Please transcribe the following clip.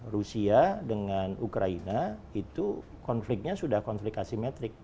rusia dengan ukraina itu konfliknya sudah konflik asimetrik